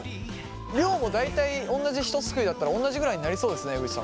量も大体同じ一すくいだったら同じぐらいになりそうですね江口さん